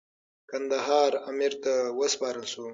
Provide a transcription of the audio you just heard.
کندهار امیر ته وسپارل سو.